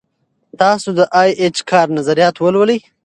تاسو د ای اېچ کار نظریات ولولئ.